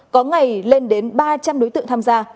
có ngày lên đến ba trăm linh đối tượng tham gia